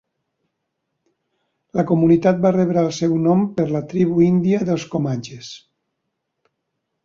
La comunitat va rebre el seu nom per la tribu índia dels comanxes.